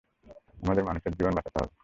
আমাদের মানুষের জীবন বাঁচাতে হবে।